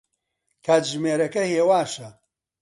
کاتژمێرەکە هێواشە.